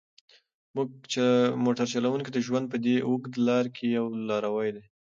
موټر چلونکی د ژوند په دې اوږده لاره کې یو لاروی دی.